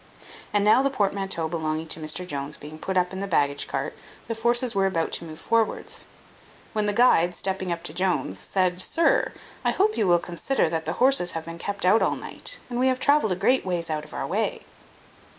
And now the portmanteau belonging to Mr Jones being put up in the baggage cart, the forces were about to move forwards; when the guide, stepping up to Jones, said, "Sir, I hope you will consider that the horses have been kept out all night, and we have travelled a great ways out of our way."